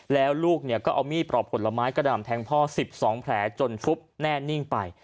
แล้วลูกเนี่ยก็เอามี่ปรอบกลมไม้กระด่ำแทงพ่อ๑๒แผลจนแน่นิ่งไป